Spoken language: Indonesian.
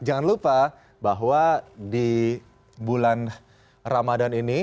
jangan lupa bahwa di bulan ramadan ini